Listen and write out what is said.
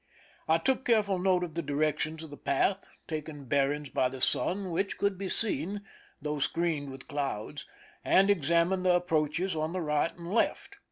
I took careful note of the directions of the path, taking bearings by the sun, which could be seen, though screened with clouds, and examined the approaches on the right and left.